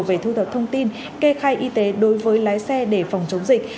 về thu thập thông tin kê khai y tế đối với lái xe để phòng chống dịch